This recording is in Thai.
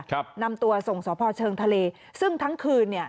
นำตัวส่งสพเชิงทะเลซึ่งทั้งคืนเนี่ย